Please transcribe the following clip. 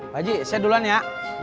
pak saya udah